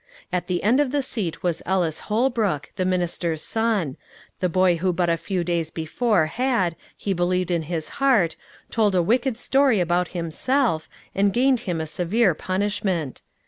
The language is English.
At the end of the seat was Ellis Holbrook, the minister's son, the boy who but a few days before had, he believed in his heart, told a wicked story about himself, and gained him a severe punishment.